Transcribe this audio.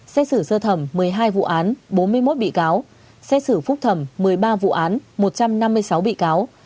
xét xử sơ thẩm một mươi hai vụ án bốn mươi một bị cáo xét xử phúc thẩm một mươi ba vụ án một trăm năm mươi sáu bị cáo